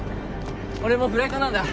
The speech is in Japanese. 俺もフライトなんだ！